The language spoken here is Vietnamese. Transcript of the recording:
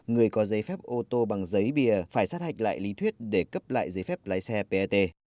người có giấy phép ô tô bằng giấy bìa phải sát hạch lại lý thuyết để cấp lại giấy phép lái xe pet